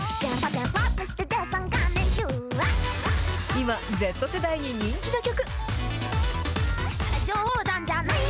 今、Ｚ世代に人気の曲。